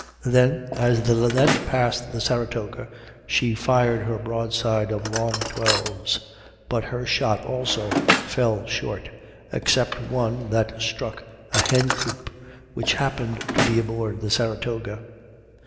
Then, as the Linnet passed the Saratoga, she fired her broadside of long 12's, but her shot also fell short, except one that struck a hen coop which happened to be aboard the Saratoga.